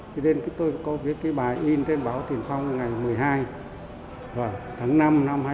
thế nên tôi có viết cái bài in trên báo tuyển thông ngày một mươi hai tháng năm năm hai nghìn hai mươi bốn